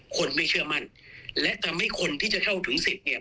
คนไม่เชื่อมั่นและทำให้คนที่จะเข้าถึงสิทธิ์เนี่ย